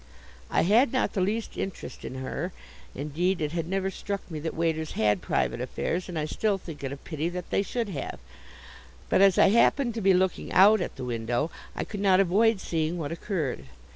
I had not the least interest in her (indeed it had never struck me that waiters had private affairs, and I still think it a pity that they should have); but as I happened to be looking out at the window I could not avoid seeing what occurred.